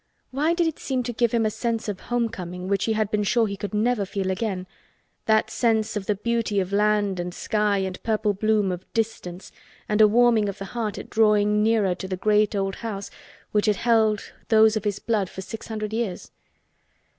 Why did it seem to give him a sense of homecoming which he had been sure he could never feel again—that sense of the beauty of land and sky and purple bloom of distance and a warming of the heart at drawing, nearer to the great old house which had held those of his blood for six hundred years?